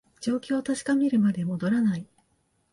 状況を確かめるまで戻らない